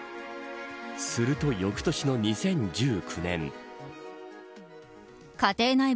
すると翌年の２０１９年。